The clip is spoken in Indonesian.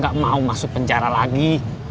gak mau masuk penjara lagi